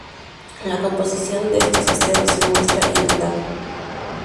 La composición de estos aceros se muestra en la tabla.